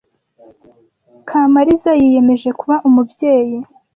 Kamaliza yiyemeje kuba umubyeyi